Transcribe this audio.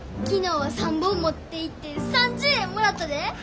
昨日は３本持っていって３０円もらったで。